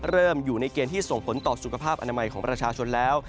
อยู่ในเกณฑ์ที่ส่งผลต่อสุขภาพอนามัยของประชาชนแล้ว